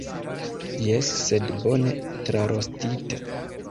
Jes, sed bone trarostita.